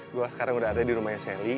gue sekarang udah ada dirumahnya sally